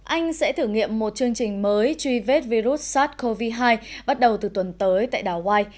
anh sẽ thử nghiệm một chương trình mới truy vết virus sars cov hai bắt đầu từ tuần tới tại đảo wi